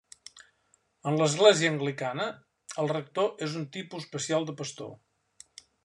En l'Església Anglicana, el rector és un tipus especial de pastor.